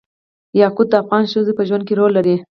یاقوت د افغان ښځو په ژوند کې رول لري.